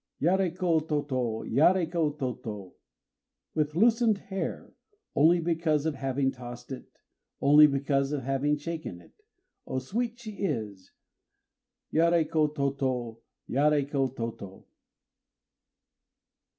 Yaréko tôtô, Yaréko tôtô! With loosened hair, Only because of having tossed it, Only because of having shaken it, Oh, sweet she is! _Yaréko tôtô! Yaréko tôtô!